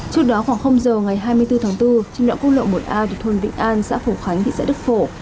trước đó khoảng giờ ngày hai mươi bốn tháng bốn trên đoạn quốc lộ một a thuộc thôn vĩnh an xã phổ khánh thị xã đức phổ